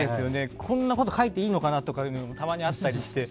こんなこと書いていいのかなっていうのもたまにあったりして。